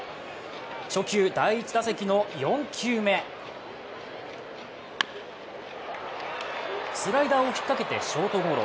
初回、第１打席の４回目スライダーを引っかけてショートゴロ。